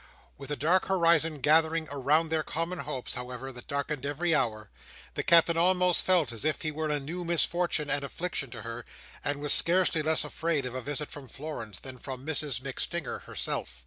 With a dark horizon gathering around their common hopes, however, that darkened every hour, the Captain almost felt as if he were a new misfortune and affliction to her; and was scarcely less afraid of a visit from Florence, than from Mrs MacStinger herself.